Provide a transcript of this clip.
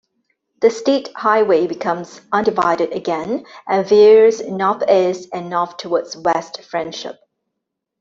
The state highway becomes undivided again and veers northeast and north toward West Friendship.